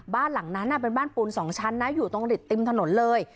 บ้านหลังนั้นเป็นบ้านปูน๒ชั้นนะอยู่ตรงริดติมถนนเลย